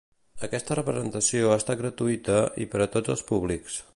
Aquesta representació ha estat gratuïta i per a tots el públics.